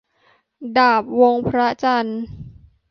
ดาบวงพระจันทร์